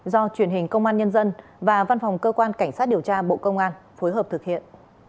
do truyền hình công an nhân dân và văn phòng cơ quan cảnh sát điều tra bộ công an phối hợp thực hiện